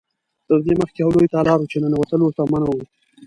تر دې مخکې یو لوی تالار و چې ننوتل ورته منع و.